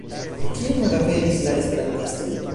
Kien malaperis la esperantistoj?